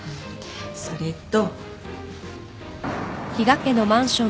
それと。